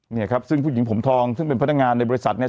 เนี่ยครับซึ่งผู้หญิงผมทองซึ่งเป็นพนักงานในบริษัทเนี่ย